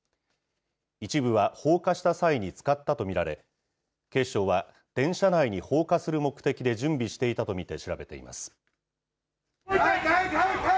一部は放火した際に使ったと見られ、警視庁は、電車内に放火する目的で準備していたと見て調べています。